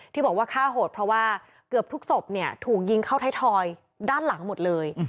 ที่บอกว่าฆ่าโหดเพราะว่าเกือบทุกศพเนี่ยถูกยิงเข้าไทยทอยด้านหลังหมดเลย